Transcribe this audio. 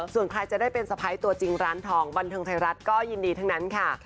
ส่วนใครจะได้เป็นสะพ้ายตัวจริงร้านทองบันเทิงไทยรัฐก็ยินดีทั้งนั้นค่ะ